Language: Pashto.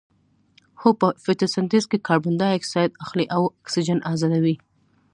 هو په فتوسنتیز کې کاربن ډای اکسایډ اخلي او اکسیجن ازادوي